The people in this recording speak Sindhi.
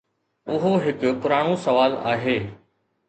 اهو هڪ پراڻو سوال آهي.